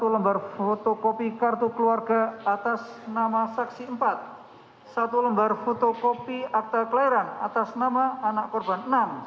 satu lembar fotokopi akta keluarga atas nama anak korban empat